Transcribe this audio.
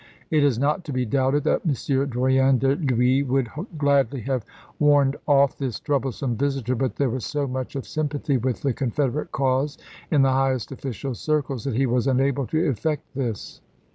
It is not to be doubted that M. lae*. ' Drouyn de PHuys would gladly have warned off this troublesome visitor, but there was so much of sympathy with the Confederate cause in the high est official circles that he was unable to effect this.